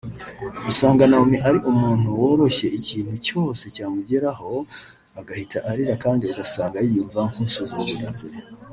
usanga Naomi aba ari umuntu woroshye ikintu cyose cyamugeraho agahita arira kandi ugasanga yiyumva nkusuzuguritse